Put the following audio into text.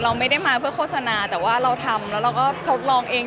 เราไม่ได้มาเพื่อโฆษณาแต่ว่าเราทำแล้วเราก็ทดลองเอง